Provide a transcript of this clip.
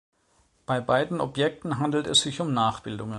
Bei beiden Objekten handelt es sich um Nachbildungen.